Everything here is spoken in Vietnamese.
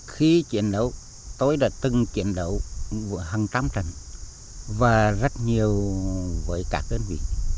khi chiến đấu tôi đã từng chiến đấu của hàng trăm trận và rất nhiều với các đơn vị